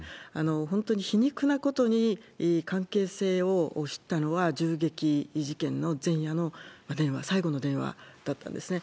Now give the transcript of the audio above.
本当に皮肉なことに、関係性を知ったのは、銃撃事件の前夜の電話、最後の電話だったんですね。